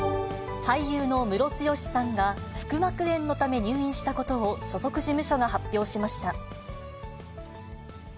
俳優のムロツヨシさんが、腹膜炎のため入院したことを所属事務所が発表しました。